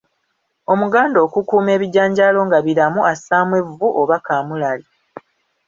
Omuganda okukuuma ebijanjaalo nga biramu assaamu evvu oba kaamulari.